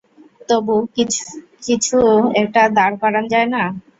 তবু কি কিছু একটা দাঁড় করান যায় না?